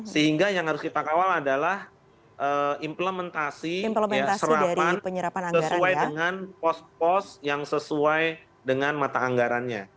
sehingga yang harus kita kawal adalah implementasi serapan sesuai dengan pos pos yang sesuai dengan mata anggarannya